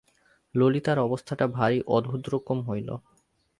ললিতার অবস্থাটা ভারি অদ্ভুত-রকম হইল।